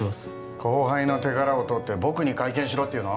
後輩の手柄を取って僕に会見しろっていうの？